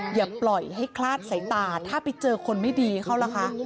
อย่าปล่อยให้คลาดสายตาถ้าไปเจอคนไม่ดีเขาล่ะคะ